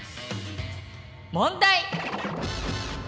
問題！